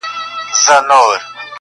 واوری واوری شب پرستو سهرونه خبرومه،